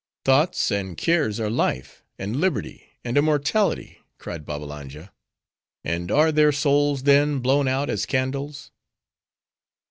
"Thoughts and cares are life, and liberty, and immortality!" cried Babbalanja; "and are their souls, then, blown out as candles?"